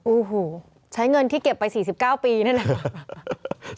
โอ้โหใช้เงินที่เก็บไป๔๙ปีนั่นแหละ